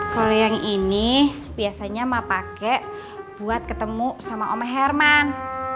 kalo yang ini biasanya emak pake buat ketemu sama om herman